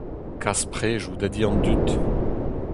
Kas predoù da di an dud.